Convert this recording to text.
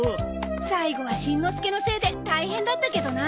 最後はしんのすけのせいで大変だったけどな。